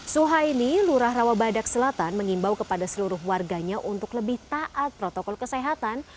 suhaini lurah rawabadak selatan mengimbau kepada seluruh warganya untuk lebih taat protokol kesehatan